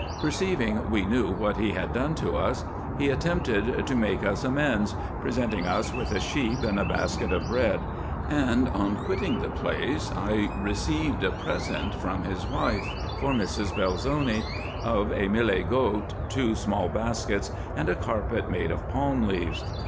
Perceiving we knew what he had done to us, he attempted to make vis amends, presenting us with a sheep and a basket of bread ; and on quitting the place, I received a present from his wife for Mrs. Belzoni, of a milch goat, two small baskets, and a carpet made of palm leaves.